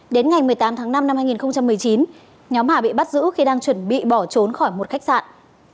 đến ngày một mươi tám tháng năm năm hai nghìn một mươi chín nhóm hà bị bắt giữ khi đang chuẩn bị bỏ trốn khỏi một khách sạn